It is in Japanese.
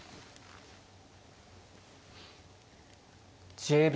１０秒。